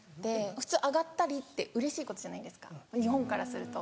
普通「上がったり」ってうれしいことじゃないですか日本からすると。